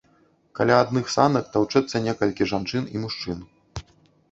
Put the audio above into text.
Каля адных санак таўчэцца некалькі жанчын і мужчын.